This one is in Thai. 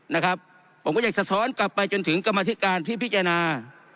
นะครับผมก็อยากสะท้อนกลับไปจนถึงกรรมธิการพิจารณา